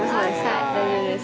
はい大丈夫です。